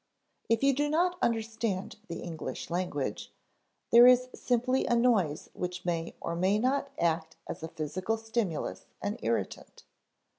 If you do not understand the English language, there is simply a noise which may or may not act as a physical stimulus and irritant.